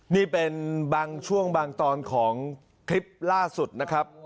นี่เป็นบางช่วงบางตอนของคลิปล่าสุดนะครับ